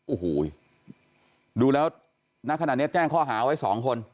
อู้หูยดูแล้วณขนาดนี้แกล้งข้อหาไว้๒คน